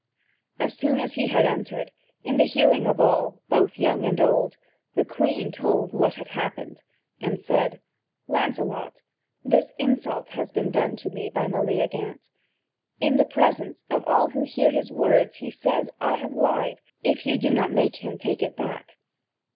As soon as he had entered, in the hearing of all, both young and old, the Queen told what had happened, and said: "Lancelot, this insult has been done me by Meleagant. In the presence of all who hear his words he says I have lied, if you do not make him take it back.